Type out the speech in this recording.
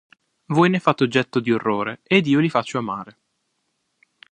Voi ne fate oggetto di orrore ed io li faccio amare.